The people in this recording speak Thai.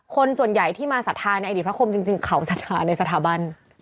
คนส่วนใหญ่ที่มาสาธารณ์ในอดีตพระคมจริงเขาสาธารณ์ในสถาบัน